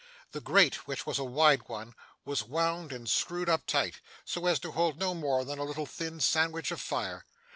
The grate, which was a wide one, was wound and screwed up tight, so as to hold no more than a little thin sandwich of fire.